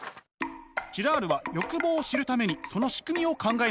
ジラールは欲望を知るためにその仕組みを考えました。